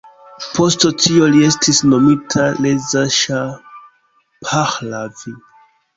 Post tio li estis nomita Reza Ŝah Pahlavi.